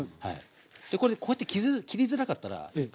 これこうやって切りづらかったら一回